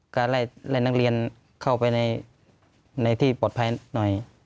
ก็ไล่นักเรียนเข้าไปในที่ปลอดภัยหน่อย